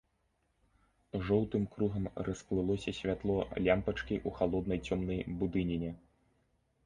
Жоўтым кругам расплылося святло лямпачкі ў халоднай цёмнай будыніне.